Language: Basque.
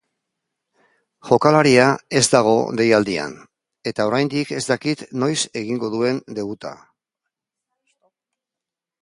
Jokalaria ez dago deialdian, eta oraindik ez dakit noiz egingo duen debuta.